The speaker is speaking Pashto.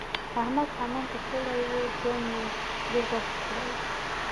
احمد حمام ته تللی وو؛ ځان يې سرې غوښې کړی دی.